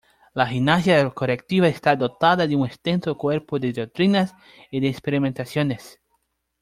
La gimnasia correctiva está dotada de un extenso cuerpo de doctrinas y de experimentaciones.